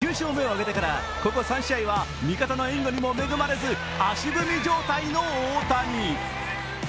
先月１４日に、９勝目を挙げてからここ３試合は味方の援護にも恵まれず足踏み状態の大谷。